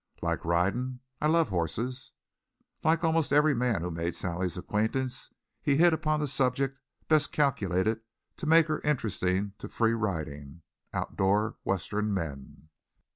"Like ridin'?" "I love horses." Like almost every man who made Sally's acquaintance, he hit upon the subject best calculated to make her interesting to free riding, outdoor Western men.